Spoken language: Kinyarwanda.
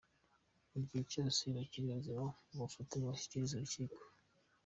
Igihe cyose bakiri bazima, mubafate mubashyikirize urukiko.